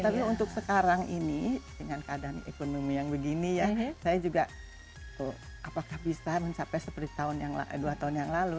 tapi untuk sekarang ini dengan keadaan ekonomi yang begini ya saya juga apakah bisa mencapai seperti dua tahun yang lalu